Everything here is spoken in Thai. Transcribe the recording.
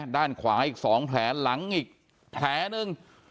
ด้านขวาอีก๒แผลหลังอีกแผลหนึ่ง